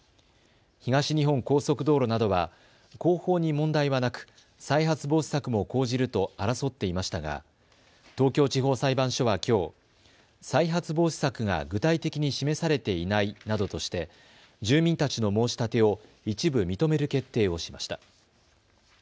東日本高速道路などは工法に問題はなく再発防止策も講じると争っていましたが東京地方裁判所はきょう再発防止策が具体的に示されていないなどとして住民たちの申し立てを一部認める決定をしました。